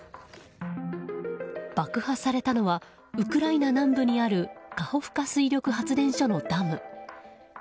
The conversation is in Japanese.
爆破されたのはウクライナ南部にあるカホフカ水力発電所のダム。